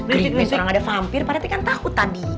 gerimis sekarang ada vampir pada tekan tahu tadi